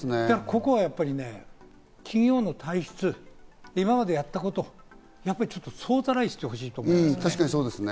ここはやっぱり企業の体質、今まででやったこと、やっぱりちょっと総ざらいしてほしいと思います。